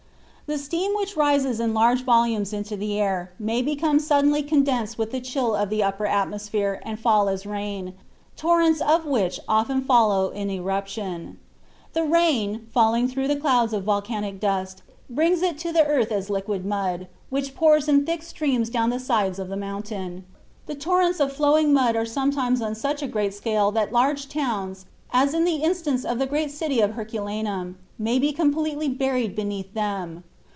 The steam which rises in large volumes into the air may become suddenly condensed with the chill of the upper atmosphere and fall as rain, torrents of which often follow an eruption. The rain, falling through the clouds of volcanic dust, brings it to the earth as liquid mud, which pours in thick streams down the sides of the mountain. The torrents of flowing mud are sometimes on such a great scale that large towns, as in the instance of the great city of Herculaneum, may be completely buried beneath them.